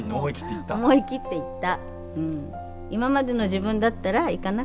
思い切って行った？